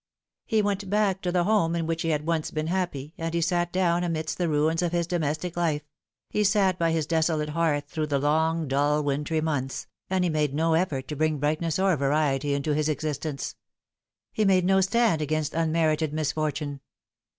He went back to the home in which he had once been happy, and he sat down amidst the ruins of his domestic life ; he sat by his desolate hearth through the long dull wintry months, and he made no effort to bring brightness or variety into his existence. He made no stand against unmerited mis fortune.